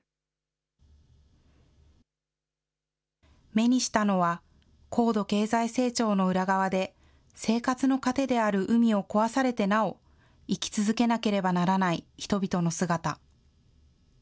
目にしたのは、高度経済成長の裏側で、生活の糧である海を壊されてなお、生き続けなければならない人々の姿。